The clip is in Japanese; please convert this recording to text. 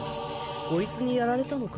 コイツにやられたのか？